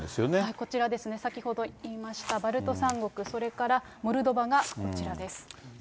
こちらですね、先ほど言いましたバルト三国、それからモルドバがこちらです。